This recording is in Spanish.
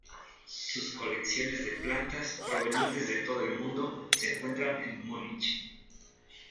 Sus colecciones de plantas provenientes de todo el mundo se encuentran en Múnich.